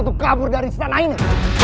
untuk kabur dari istana ini